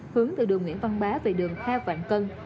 hướng từ đường nguyễn văn bá về đường kha vạn cân